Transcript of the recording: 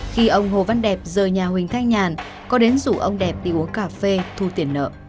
khi ông hồ văn đẹp rời nhà huỳnh thanh nhàn có đến rủ ông đẹp đi uống cà phê thu tiền nợ